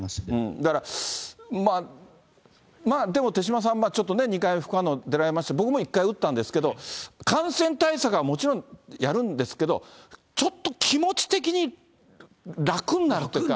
だから、まあでも手嶋さん、ちょっとね、２回目副反応出られました、僕も１回打ったんですけれども、感染対策はもちろん、やるんですけど、ちょっと気持ち的に楽になるというか。